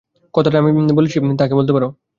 কথাটা আমি বলেছি তাকে বলতে পারো।